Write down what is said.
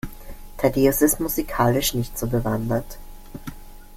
Thaddäus ist musikalisch nicht so bewandert.